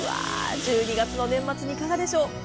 １２月の年末にいかがでしょう。